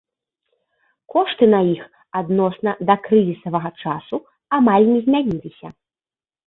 Кошты на іх адносна дакрызісавага часу амаль не змяніліся.